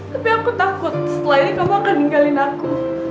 tapi aku takut setelah ini kamu akan ninggalin aku